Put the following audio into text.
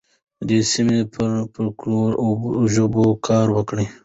د دې سیمې پر فولکلور او ژبو کار وکړئ.